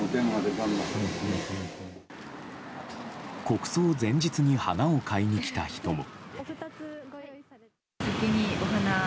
国葬前日に花を買いに来た人も。